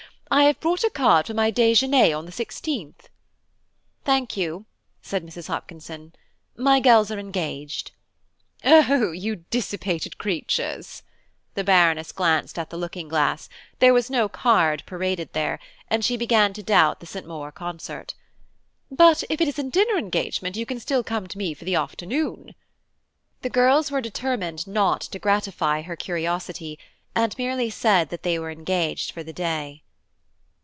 I have brought a card for my déjeuner on the 16th." "Thank you," said Mrs. Hopkinson, "my girls are engaged." "Oh! you dissipated creatures"; the Baroness glanced at the looking glass; there was no card paraded there, and she began to doubt the St. Maur concert. "But if it is a dinner engagement you can still come to me for the afternoon." The girls were determined not to gratify her curiosity, and merely said they were engaged for the day.